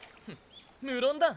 無論だ！